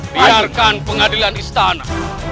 biarkan pengadilan istana